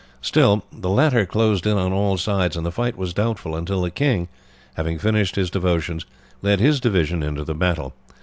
Still the latter closed in on all sides, and the fight was doubtful until the king, having finished his devotions, led his division into the battle.